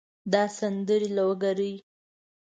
دا سندرې لوګري